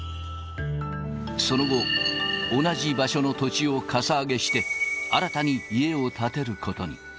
その後、同じ場所の土地をかさ上げして、新たに家を建てることに。